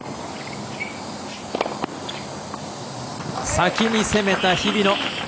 先に攻めた日比野。